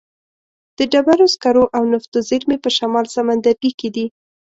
د ډبرو سکرو او نفتو زیرمې په شمال سمندرګي کې دي.